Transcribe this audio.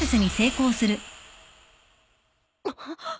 あっ！？